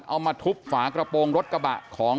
เอามาทุบฝากระโปรงรถกระบะของ